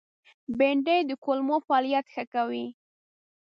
بېنډۍ د کولمو فعالیت ښه کوي